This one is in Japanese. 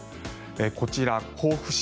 こちら、甲府市